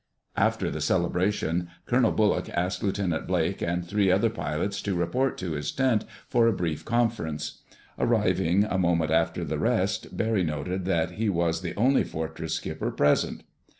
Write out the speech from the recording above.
After the celebration, Colonel Bullock asked Lieutenant Blake and three other pilots to report to his tent for a brief conference. Arriving a moment after the rest, Barry noted that he was the only Fortress skipper present.